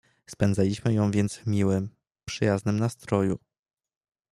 "Spędzaliśmy ją więc w miłym, przyjaznym nastroju."